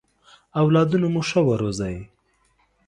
اولادونه مو ښه ورزوی!